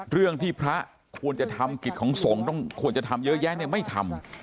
เรื่องที่พระควรจะทำกิจของสงฆ์ต้องควรจะทำเยอะแยะเนี่ยไม่ทำ